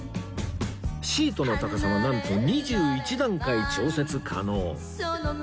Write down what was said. シートの高さはなんと２１段階調節可能